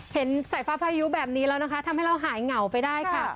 เห็นสายฟ้าพายุแบบนี้แล้วนะคะทำให้เราหายเหงาไปได้ค่ะ